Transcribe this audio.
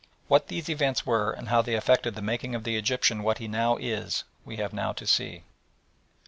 What these events were and how they affected the making of the Egyptian what he now is we have now to see.